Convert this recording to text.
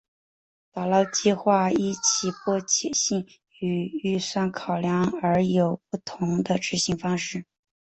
打捞计画依其迫切性与预算考量而有不同的执行方式。